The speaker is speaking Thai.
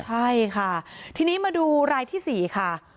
ใช่ค่ะทีนี้มาดูรายที่๔ค่ะ